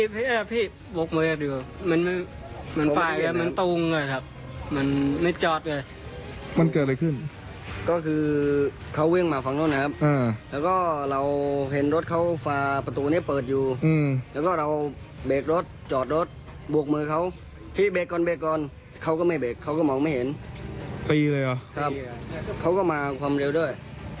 ปีเลยเหรอครับครับเขาก็มากับความเร็วด้วย